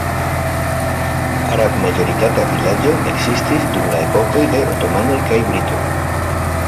Arab-majoritata vilaĝo ekzistis dum la epokoj de Otomanoj kaj Britoj.